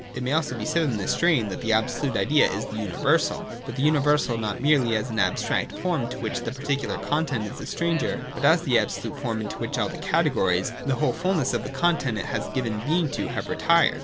It may also be said in this strain that the absolute idea is the universal, but the universal not merely as an abstract form to which the particular content is a stranger, but as the absolute form, into which all the categories, the whole full ness of the content it has given being to, have retired.